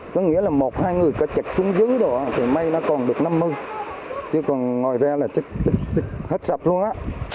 có nghĩa là một hai người có chạy xuống dưới rồi thì may nó còn được năm mươi chứ còn ngồi ra là chết sập luôn á